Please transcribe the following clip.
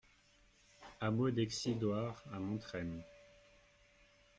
Hameau d'Excidoire à Montrem